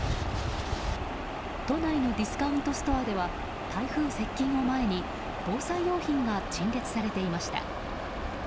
都内のディスカウントストアでは台風接近を前に防災用品が陳列されていました。